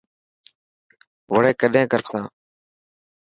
وڙي ڪڏهن ڪر سان.